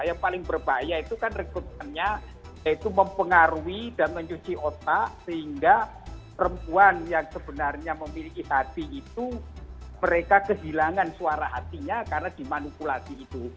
yang paling berbahaya itu kan rekrutannya yaitu mempengaruhi dan mencuci otak sehingga perempuan yang sebenarnya memiliki hati itu mereka kehilangan suara hatinya karena dimanipulasi itu